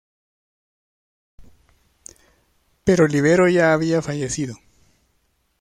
Pero Líbero ya había fallecido.